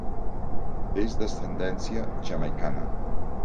És d'ascendència jamaicana.